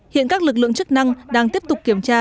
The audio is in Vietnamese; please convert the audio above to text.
hiện các lực lượng chức năng đang tiếp tục kiểm tra